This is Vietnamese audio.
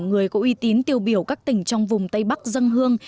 người có uy tín tiêu biểu các tỉnh trong vùng tây bắc dân hương